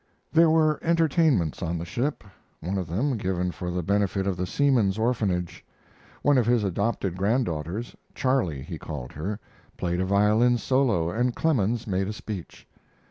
There were entertainments on the ship, one of them given for the benefit of the Seamen's Orphanage. One of his adopted granddaughters "Charley" he called her played a violin solo and Clemens made a speech.